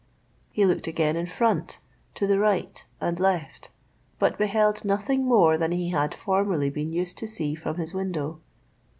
He looked again in front, to the right and left, but beheld nothing more than he had formerly been used to see from his window.